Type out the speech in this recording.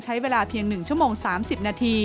ใช้เวลาเพียง๑ชม๓๐น